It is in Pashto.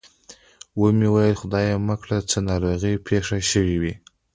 و مې ویل خدای مه کړه څه ناروغي پېښه شوې.